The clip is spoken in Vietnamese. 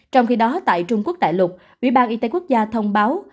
trong khi đó tại trung quốc đại lục ủy ban y tế quốc gia thông báo